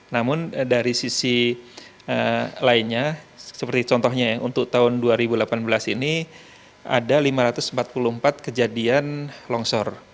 namun dari sisi lainnya seperti contohnya untuk tahun dua ribu delapan belas ini ada lima ratus empat puluh empat kejadian longsor